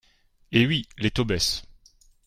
Eh oui, les taux baissent